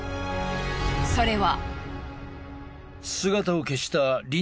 それは。